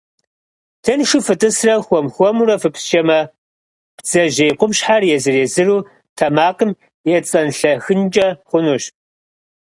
Тыншу фытӏысрэ хуэм-хуэмурэ фыпсчэмэ, бдзэжьей къупщхьэр езыр-езыру тэмакъым ецӏэнлъэхынкӏэ хъунущ.